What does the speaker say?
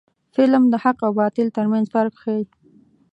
فلم د حق او باطل ترمنځ فرق ښيي